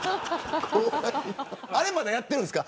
あれはまだやっているんですか。